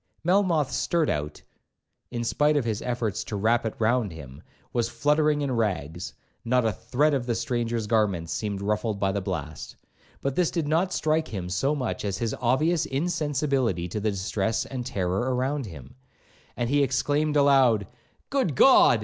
Melmoth's surtout, in spite of his efforts to wrap it round him, was fluttering in rags,—not a thread of the stranger's garments seemed ruffled by the blast. But this did not strike him so much as his obvious insensibility to the distress and terror around him, and he exclaimed aloud, 'Good God!